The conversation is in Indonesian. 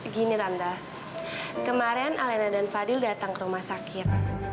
gini randa kemarin alena dan fadil datang ke rumah sakit